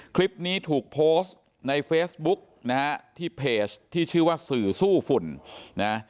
คลิปนี้ถูกโพสต์ในเฟซบุ๊กนะฮะที่เพจที่ชื่อว่าสื่อสู้ฝุ่นนะ